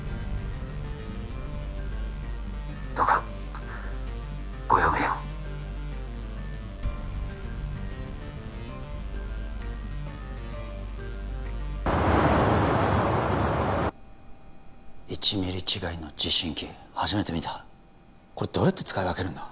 どうかご用命を１ミリ違いの持針器初めて見たこれどうやって使い分けるんだ？